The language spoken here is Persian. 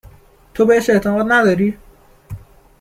تو بهش اعتماد نداری ؟